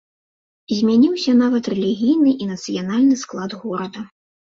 Змяніўся нават рэлігійны і нацыянальны склад горада.